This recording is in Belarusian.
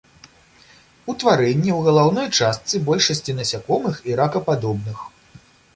Утварэнні ў галаўной частцы большасці насякомых і ракападобных.